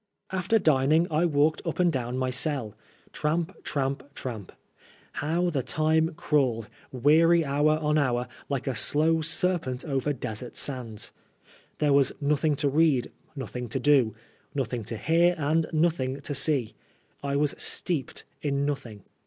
After dining I walked up and down my cell — ^tramp, tramp, tramp. How the time crawled, weary hour on hour, like a slow serpent over desert sands. There was nothing to read, nothing to do, nothing to hear, and nothing to see. I was steeped in nothing.